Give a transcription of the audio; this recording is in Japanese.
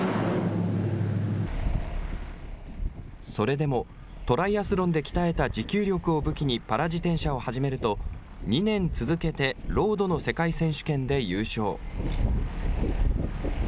それでもトライアスロンで鍛えた持久力を武器にパラ自転車を始めると、２年続けてロードの世界選手権で優勝。